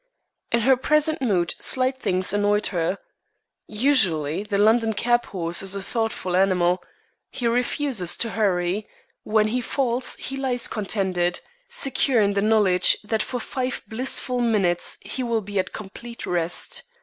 In her present mood slight things annoyed her. Usually, the London cab horse is a thoughtful animal; he refuses to hurry; when he falls he lies contented, secure in the knowledge that for five blissful minutes he will be at complete rest.